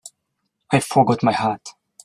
I forgot my hat.